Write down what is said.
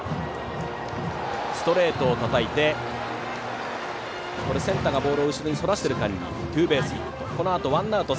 ストレートをたたいてセンターがボールを後ろにそらしている間にツーベースヒット。